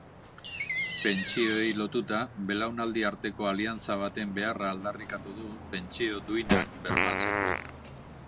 Pentsioei lotuta, belaunaldi arteko aliantza baten beharra aldarrikatu du pentsio duinak bermatzeko.